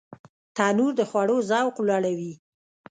تنور د خوړو ذوق لوړوي